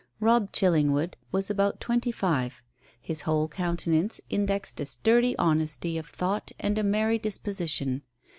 Robb Chillingwood was about twenty five; his whole countenance indexed a sturdy honesty of thought and a merry disposition.